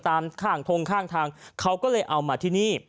ตามข้างทงข้างทางเขาก็เลยเอามาที่นี่